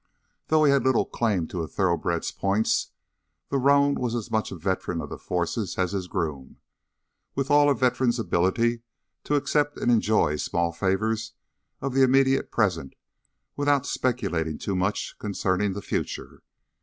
Though he had little claim to a thoroughbred's points, the roan was as much a veteran of the forces as his groom, with all a veteran's ability to accept and enjoy small favors of the immediate present without speculating too much concerning the future.